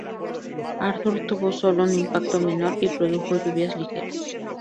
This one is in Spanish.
Arthur tuvo sólo un impacto menor, y produjo lluvias ligeras.